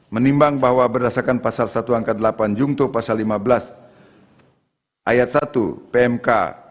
menimbang bahwa berdasarkan pasar satu angkat delapan jungto pasar lima belas ayat satu pmk satu dua ribu tiga